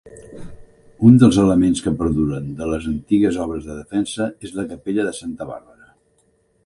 Un dels elements que perduren de les antigues obres de defensa és la capella de Santa Bàrbara.